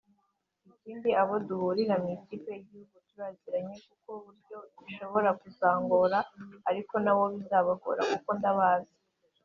Ikindi abo duhurira mu Ikipe y’Igihugu turaziranye kuko buryo bishobora kuzangora ariko nabo bizabagora kuko ndabazi